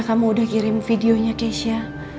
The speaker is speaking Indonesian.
kamu udah kirim videonya keisha